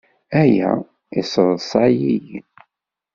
Aya yesseḍsay-iyi.